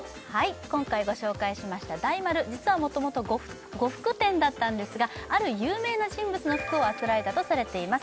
今回ご紹介しました大丸実はもともと呉服店だったんですがある有名な人物の服をあつらえたとされています